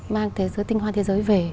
mang tinh hoa thế giới về